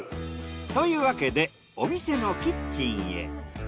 というわけでお店のキッチンへ。